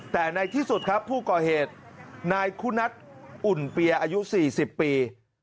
แต่ในที่สุดครับผู้ก่อเหตุนายคุณัทอุ่นเปียอายุ๔๐ปี